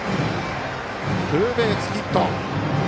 ツーベースヒット。